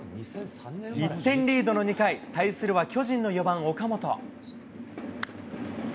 １点リードの２回、対するは巨人の４番岡本。